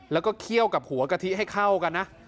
แล้วก็เคี่ยวกับหัวกะทิให้เข้ากันนะ